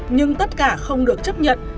nhưng tất cả không được chấp nhận